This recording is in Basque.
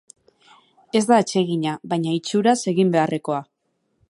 Ez da atsegina baina, itxuraz, egin beharrekoa.